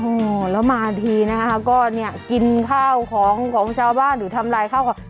โอ้โฮแล้วมาทีก็กินข้าวของชาวบ้านหรือทำลายข้าวของชาวบ้าน